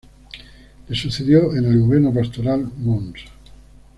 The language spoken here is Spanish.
Le sucedió en el gobierno pastoral Mons.